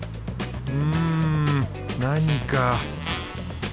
うん何か。